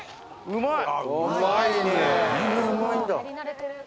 うまい！